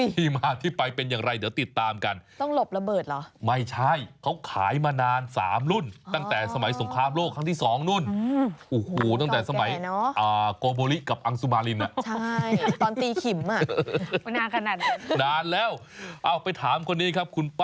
ที่มาที่ไปเป็นอย่างไรเดี๋ยวติดตามกัน